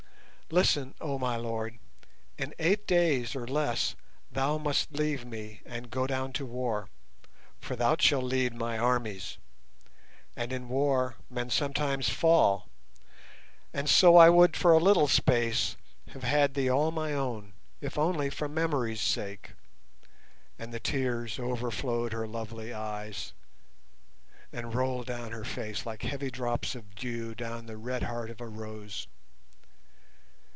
Listen, oh my lord! In eight days or less thou must leave me and go down to war, for thou shalt lead my armies, and in war—men sometimes fall, and so I would for a little space have had thee all my own, if only for memory's sake;" and the tears overflowed her lovely eyes and rolled down her face like heavy drops of dew down the red heart of a rose.